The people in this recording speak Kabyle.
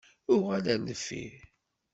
Uɣal ar deffir.